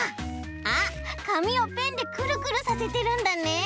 あっかみをペンでくるくるさせてるんだね！